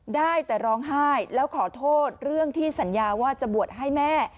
ได้แต่ร้องไห้แล้วขอโทษเรื่องที่สัญญาว่าจะบวชให้แม่